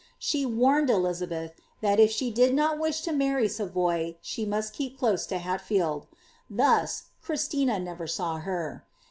She warned Elizal)eih, that if she did not wish to marr} Savoy, she must keep close at llatfield ; thus Christina never saw her.